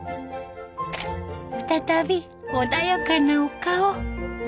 再び穏やかなお顔。